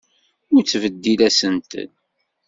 Ur ttbeddil asentel.